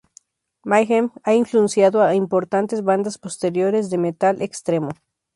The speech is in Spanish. Mayhem ha influenciado a importantes bandas posteriores de metal extremo.